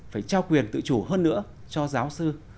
phải trao quyền tự chủ hơn nữa cho giáo sư